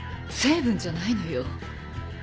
成分じゃないのよ。